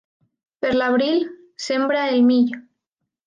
Per l'abril sembra el mill.